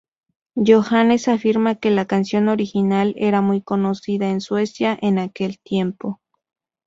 Johannes afirma que la canción original era muy conocida en Suecia en aquel tiempo.